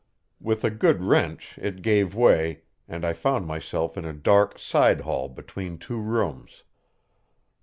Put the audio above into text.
With a good wrench it gave way, and I found myself in a dark side hall between two rooms.